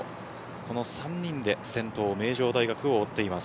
この３人で先頭、名城大学を追っています。